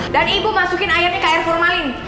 dan ibu masukin airnya ke air formalin